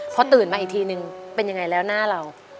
พอตื่นมาอีกทีนึงเป็นยังไงแล้วหน้าเรา